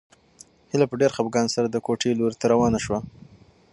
هیله په ډېر خپګان سره د کوټې لوري ته روانه شوه.